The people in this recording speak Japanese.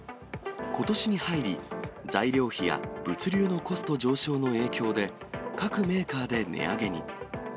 ことしに入り、材料費や物流のコスト上昇の影響で、各メーカーで値上げに。